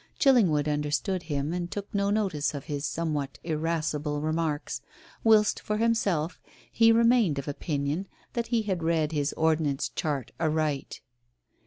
Chillingwood understood him, and took no notice of his somewhat irascible remarks, whilst, for himself, he remained of opinion that he had read his Ordnance chart aright.